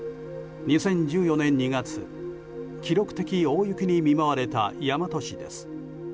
２０１４年２月、記録的大雪に見舞われた大和市です。